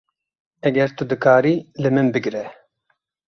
Eger tu dikarî, li min bigire.